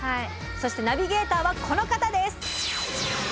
そしてナビゲーターはこの方です。